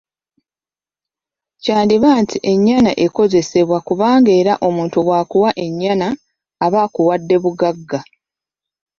Kyandiba nti ennyana ekozesebwa kubanga era omuntu bw’akuwa ennyana, aba akuwadde bugagga.